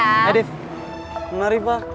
nadif mau lari pak